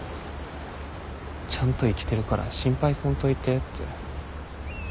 ちゃんと生きてるから心配せんといてて。